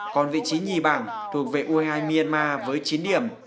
còn vị trí nhì bảng thuộc về u hai mươi hai myanmar với chín điểm